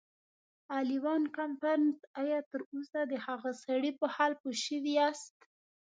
اغلې وان کمپن، ایا تراوسه د هغه سړي په حال پوه شوي یاست.